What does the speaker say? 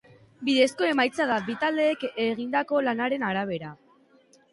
Bidezko emaitza da, bi taldeek egindako lanaren arabera.